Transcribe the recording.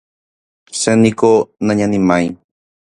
Chéniko nañanimái.